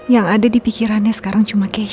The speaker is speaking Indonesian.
yang ada di pikirannya sekarang cuma cash